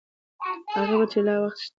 هغې وویل چې لا وخت شته.